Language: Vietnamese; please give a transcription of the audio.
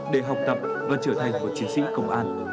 để học tập và trở thành một chiến sĩ công an